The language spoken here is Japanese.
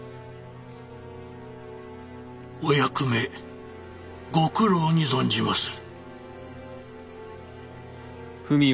お役目ご苦労に存じまする。